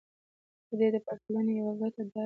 د دې پرتلنې يوه ګټه دا وي.